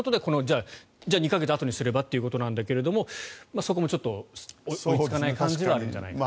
じゃあ２か月あとにすればということですがそこも追いつかない感じがあるんじゃないかと。